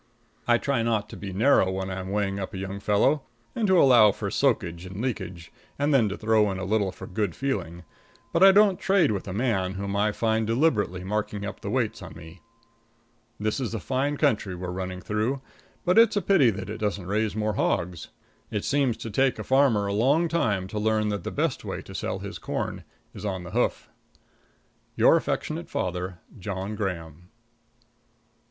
I try not to be narrow when I'm weighing up a young fellow, and to allow for soakage and leakage, and then to throw in a little for good feeling; but I don't trade with a man whom I find deliberately marking up the weights on me. This is a fine country we're running through, but it's a pity that it doesn't raise more hogs. It seems to take a farmer a long time to learn that the best way to sell his corn is on the hoof. Your affectionate father, JOHN GRAHAM.